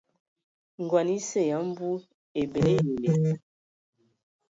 Ngɔn esə ya mbu ebələ eyole.